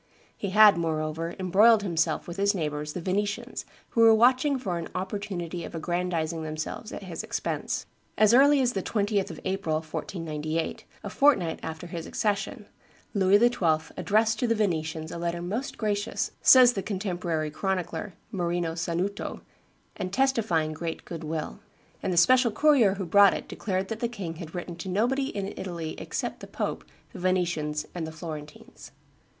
He had, moreover, embroiled himself with his neighbors the Venetians, who were watching for an opportunity of aggrandizing themselves at his expense. As early as the 20th of April, 1498, a fortnight after his accession, Louis XII. addressed to the Venetians a letter "most gracious," says the contemporary chronicler Marino Sanuto, "and testifying great good will;" and the special courier who brought it declared that the king had written to nobody in Italy except the pope, the Venetians, and the Florentines.